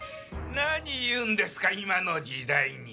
何言うんですか今の時代に。